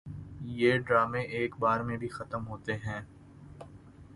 یہ ڈرامے ایک بار میں بھی ختم ہوتے ہیں